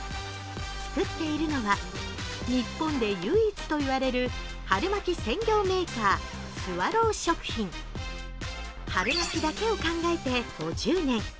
作っているのは、日本で唯一といわれる春巻き専業メーカー、スワロー食品春巻きだけを考えて５０年。